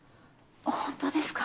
本当ですか？